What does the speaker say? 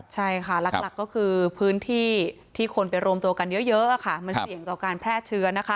ใช่ค่ะหลักก็คือพื้นที่ที่คนไปรวมตัวกันเยอะค่ะมันเสี่ยงต่อการแพร่เชื้อนะคะ